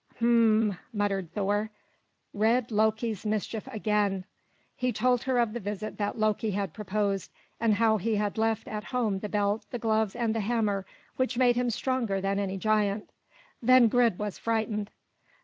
"H'm!" muttered Thor. "Red Loki's mischief again!" He told her of the visit that Loki had proposed, and how he had left at home the belt, the gloves, and the hammer which made him stronger than any giant. Then Grid was frightened.